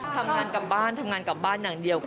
ทำงานกลับบ้านทำงานกลับบ้านอย่างเดียว